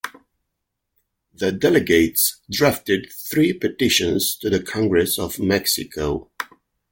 The delegates drafted three petitions to the Congress of Mexico.